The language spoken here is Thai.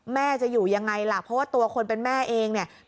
แม่จะอยู่ยังไงล่ะเพราะว่าตัวคนเป็นแม่เองเนี่ย